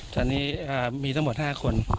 ตอนนี้มีทั้งหมด๕คน